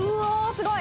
すごい！